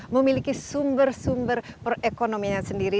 memiliki sumber sumber perekonomianya sendiri